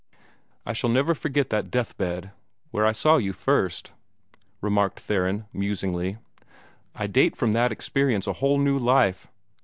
"I shall never forget that death bed where I saw you first," remarked Theron, musingly. "I date from that experience a whole new life.